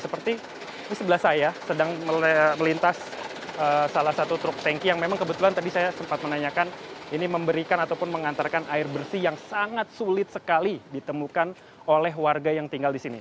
seperti di sebelah saya sedang melintas salah satu truk tanki yang memang kebetulan tadi saya sempat menanyakan ini memberikan ataupun mengantarkan air bersih yang sangat sulit sekali ditemukan oleh warga yang tinggal di sini